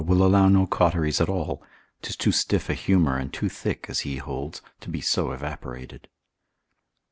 will allow no cauteries at all, 'tis too stiff a humour and too thick as he holds, to be so evaporated.